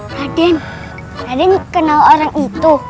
raden raden kenal orang itu